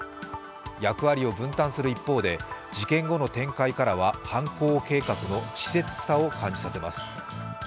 役割を分担する一方で事件後の展開からは犯行計画の稚拙さを感じさせます。